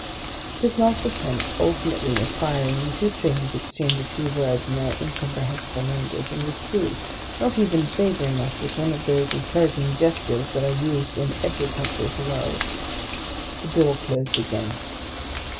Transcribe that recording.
This last attempt ultimately misfiring, the two strangers exchanged a few words in their incomprehensible language and withdrew, not even favoring us with one of those encouraging gestures that are used in every country in the world. The door closed again.